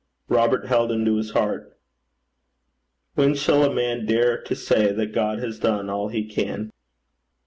Robert held him to his heart. When shall a man dare to say that God has done all he can?